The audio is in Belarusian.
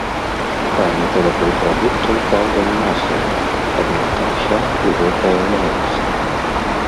Паніка вакол прадуктаў, праўда, не масавая, аднак там-сям ужо праяўляецца.